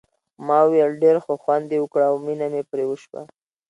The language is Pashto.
ما وویل ډېر ښه خوند یې وکړ او مینه مې پرې وشوه.